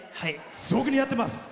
すごく似合ってます。